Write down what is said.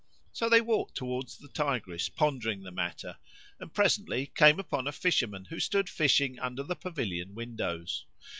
So they walked towards the Tigris pondering the matter, and presently came upon a fisherman who stood fishing under the pavilion windows.